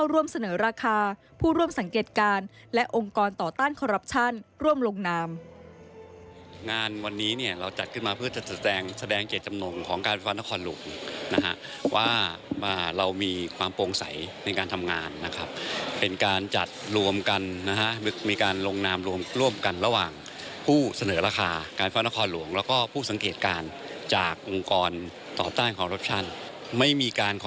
ร่วมเสนอราคาผู้ร่วมสังเกตการณ์และองค์กรต่อต้านคอรับชันร่วมลงนาม